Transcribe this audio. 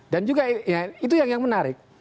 dan juga itu yang menarik